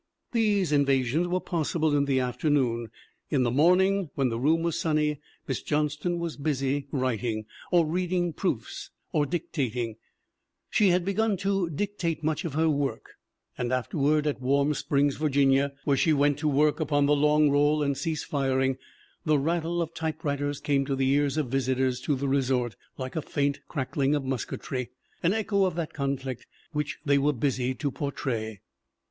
These invasions were possible in the afternoon. In the morn ing when the room was sunny Miss Johnston was busy writing or reading proofs or dictating ; she had begun MARY JOHNSTON 141 to dictate much of her work and afterward, at Warm Springs, Virginia, where she went to work upon The Long Roll and Cease Firing, the rattle of typewriters came to the ears of visitors to the resort like a faint crackling of musketry, an echo of that conflict which they were busied to portray.